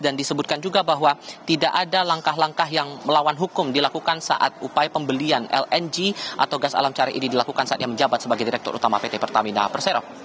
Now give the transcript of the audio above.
dan disebutkan juga bahwa tidak ada langkah langkah yang melawan hukum dilakukan saat upaya pembelian lng atau gas alam cari ini dilakukan saat ia menjabat sebagai direktur utama pt pertamina persero